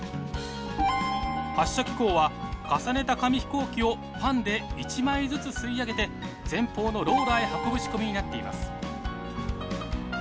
発射機構は重ねた紙飛行機をファンで１枚ずつ吸い上げて前方のローラーへ運ぶ仕組みになっています。